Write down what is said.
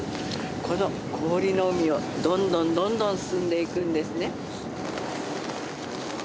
この氷の海をどんどんどんどん進んでいくんですね